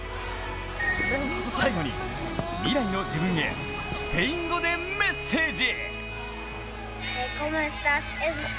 最後に、未来の自分へスペイン語でメッセージ。